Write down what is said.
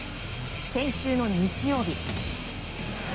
先週の日曜日。